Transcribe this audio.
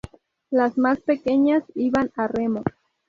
Las más pequeñas iban a remo.